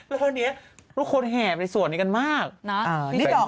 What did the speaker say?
แล้วตอนนี้ทุกคนแห่บในสวดนี้กันมาก